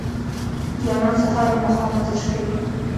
ځوانان سهار او ماښام ورزش کوي.